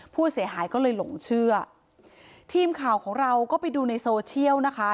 ผู้เสียหายก็เลยหลงเชื่อทีมข่าวของเราก็ไปดูในโซเชียลนะคะ